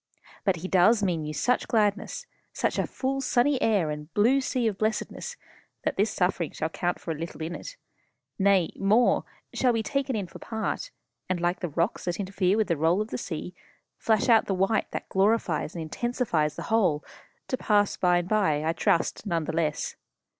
But he does mean you such gladness, such a full sunny air and blue sea of blessedness that this suffering shall count for little in it; nay more, shall be taken in for part, and, like the rocks that interfere with the roll of the sea, flash out the white that glorifies and intensifies the whole to pass away by and by, I trust, none the less.